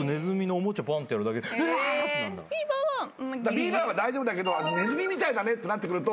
ビーバーは大丈夫だけどネズミみたいだねってなってくると。